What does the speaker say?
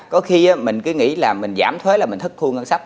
có khi mình cứ nghĩ là mình giảm thuế là mình thất thu ngân sách